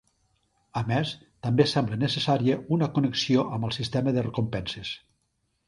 A més, també sembla necessària una connexió amb el sistema de recompenses.